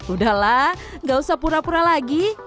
udahlah gak usah pura pura lagi